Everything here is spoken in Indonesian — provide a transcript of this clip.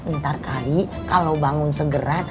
ntar kali kalau bangun segera